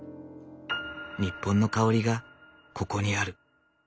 日本の香りがここにある。